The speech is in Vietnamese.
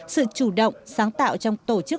sự chủ động sáng tạo trong tổ chức